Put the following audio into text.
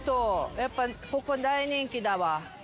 やっぱここ大人気だわ。